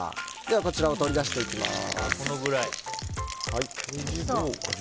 こちらを取り出していきます。